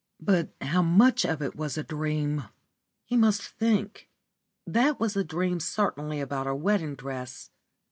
But how much of it was a dream? He must think. That was a dream certainly about her wedding dress.